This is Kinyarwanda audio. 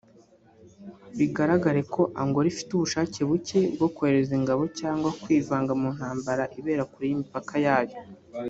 Bigaragare ko Angola ifite ubushake buke bwo kohereza ingabo cyangwa kwivanga mu ntambara ibera kure y’imipaka yayo